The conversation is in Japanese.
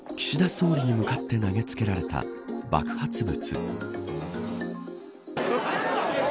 総理に向かって投げつけられた爆発物。